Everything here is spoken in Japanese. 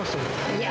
いや。